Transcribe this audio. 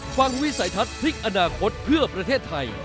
วิสัยทัศน์พลิกอนาคตเพื่อประเทศไทย